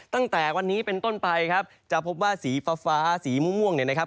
ตั้งแต่วันนี้เป็นต้นไปครับจะพบว่าสีฟ้าฟ้าสีม่วงเนี่ยนะครับ